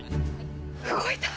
動いた。